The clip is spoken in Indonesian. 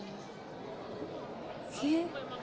kau memang menargetkan untuk